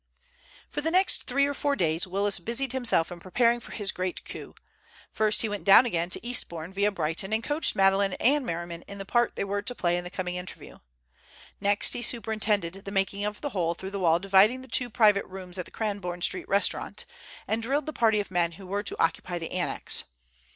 For the next three or four days Willis busied himself in preparing for his great coup. First he went down again to Eastbourne via Brighton, and coached Madeleine and Merriman in the part they were to play in the coming interview. Next he superintended the making of the hole through the wall dividing the two private rooms at the Cranbourne Street restaurant, and drilled the party of men who were to occupy the annex.